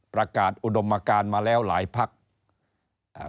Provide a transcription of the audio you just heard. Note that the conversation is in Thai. ประกาศอุดมการมาแล้วหลายภักดิ์